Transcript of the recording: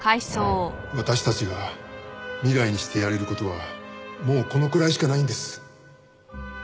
私たちが未来にしてやれる事はもうこのくらいしかないんです。